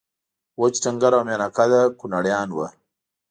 وچ ډنګر او میانه قده کونړیان وو